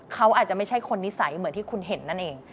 เขาอาจจะไม่ใช่คนนิสัยเหมือนที่คุณเห็นนั่นเอง